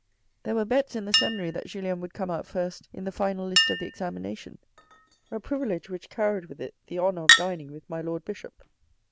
There were bets in the seminary that Julien would come out first in the final list of the examination, a privilege which carried with it the honour of dining with my Lord Bishop.